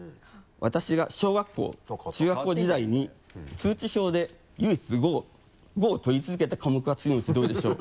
私が小学校中学校時代に通知表で唯一「５」を取り続けた科目は次のうちどれでしょう？